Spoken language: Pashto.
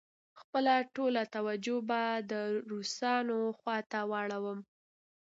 خپله ټوله توجه به د روسانو خواته واړوم.